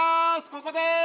ここです！